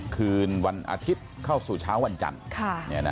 คืนวันอาทิตย์เข้าสู่เช้าวันจันทร์ค่ะเนี้ยนะ